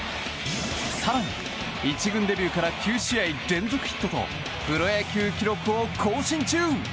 更に、１軍デビューから９試合連続ヒットとプロ野球記録を更新中！